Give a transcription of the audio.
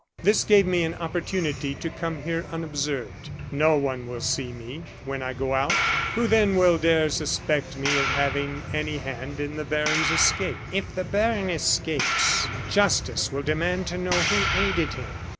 This gave me an opportunity to come here unobserved. No one will see me when I go out. Who, then, will dare suspect me of having any hand in the baron's escape?" "If the baron escapes, justice will demand to know who aided him."